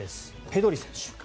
ペドリ選手。